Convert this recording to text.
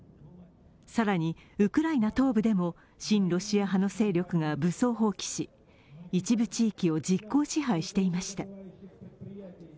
更に、ウクライナ東部でも親ロシア派の勢力が武装蜂起し一部地域を実効支配していました。